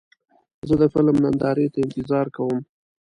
زه د فلم نندارې ته انتظار کوم.